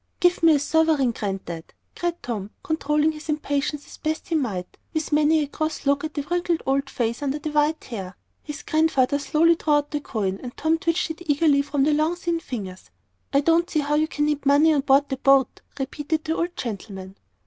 "Give me a sovereign, Granddad," cried Tom, controlling his impatience as best he might, with many a cross look at the wrinkled old face under the white hair. His Grandfather slowly drew out the coin, and Tom twitched it eagerly from the long, thin fingers. "I don't see how you can need money on board the boat," repeated the old gentleman.